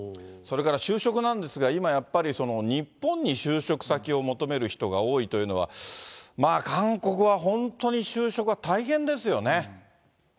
それから就職なんですが、今やっぱり、日本に就職先を求める人が多いというのは、まあ、韓国は本当に就職が大変ですよね。